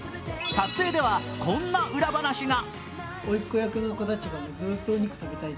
撮影では、こんな裏話が。